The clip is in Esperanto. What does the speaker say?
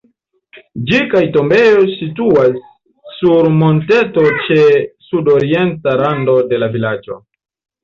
Ĝi kaj tombejo situas sur monteto ĉe sudorienta rando de la vilaĝo.